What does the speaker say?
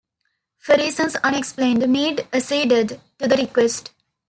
For reasons unexplained, Meade acceded to the request.